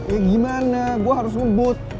ya gimana gue harus ngebut